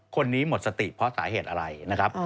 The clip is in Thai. คนนี้หมดสติเพราะสาเหตุอะไรนะครับ